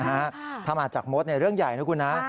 ถ้ามาจากมดเรื่องใหญ่นะคุณนะ